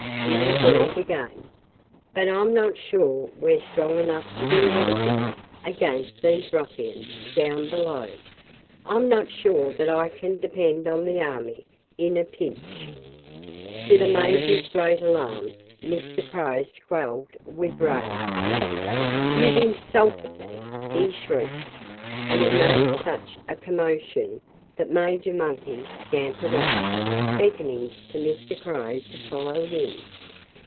he agreed again. "But I'm not sure we're strong enough to do anything against these ruffians down below. I'm not sure that I can depend on the army in a pinch." To the Major's great alarm, Mr. Crow squalled with rage. "You've insulted me!" he shrieked. And he made such a commotion that Major Monkey scampered off, beckoning to Mr. Crow to follow him.